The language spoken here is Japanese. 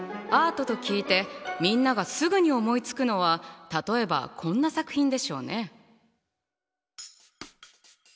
アートと聞いてみんながすぐに思いつくのは例えばこんな作品でしょうね。